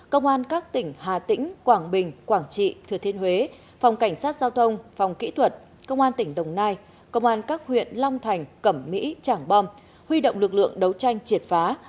công an các tỉnh hà tĩnh quảng bình quảng trị thừa thiên huế phòng cảnh sát giao thông phòng kỹ thuật công an tỉnh đồng nai công an các huyện long thành cẩm mỹ trảng bom huy động lực lượng đấu tranh triệt phá